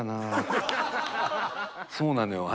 そうなのよ。